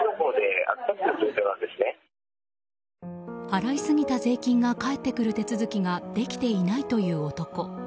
払いすぎた税金が返ってくる手続きができていないという男。